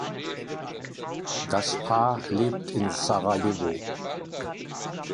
Das Paar lebt in Sarajevo.